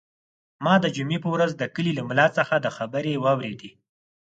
ما د جمعې په ورځ د کلي له ملا څخه دا خبرې واورېدې.